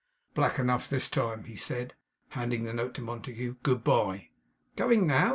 'Black enough, this time,' he said, handing the note to Montague. 'Good bye.' 'Going now!